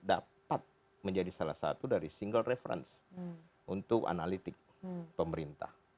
dapat menjadi salah satu dari single reference untuk analitik pemerintah